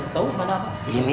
stupid tuh kabar abang ya